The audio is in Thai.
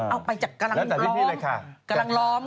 เอาไปจากกำลังล้อม